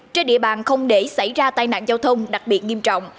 trên địa bàn không để xảy ra tai nạn giao thông đặc biệt nghiêm trọng